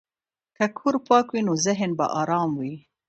که کور پاک وي، نو ذهن به ارام وي.